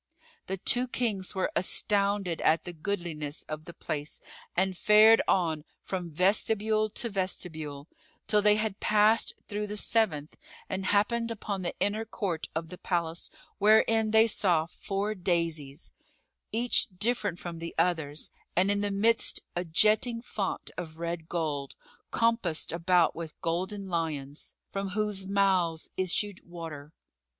The two Kings were astounded at the goodliness of the place and fared on from vestibule to vestibule, till they had passed through the seventh and happened upon the inner court of the palace wherein they saw four daïses, each different from the others, and in the midst a jetting fount of red gold, compassed about with golden lions,[FN#42] from whose mouths issued water.